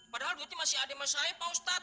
padahal duitnya masih ada di masyarakat pak ustadz